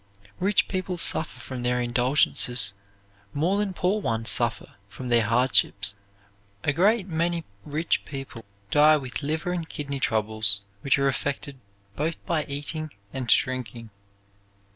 Rich people suffer from their indulgences more than poor ones suffer from their hardships. A great many rich people die with liver and kidney troubles which are effected both by eating and drinking.